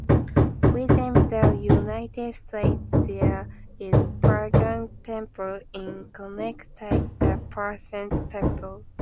Within the United States, there is a Pagan temple in Connecticut, the Panthean Temple.